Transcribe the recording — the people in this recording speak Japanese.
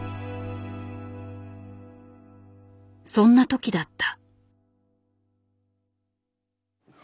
そんな時だった。